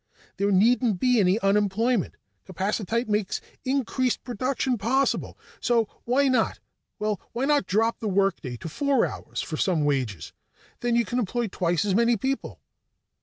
There needn't be any unemployment. Capacitite makes increased production possible, so why not well, why not drop the work day to four hours for the same wages? Then you can employ twice as many people."